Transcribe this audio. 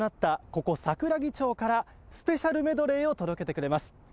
ここ桜木町からスペシャルメドレーを届けてくれます。